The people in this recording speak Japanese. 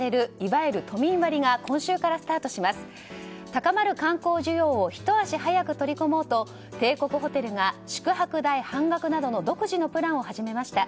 高まる観光需要をひと足早く取り込もうと帝国ホテルが宿泊代半額などの独自のプランを始めました。